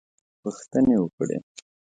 پوښتنې وکړې.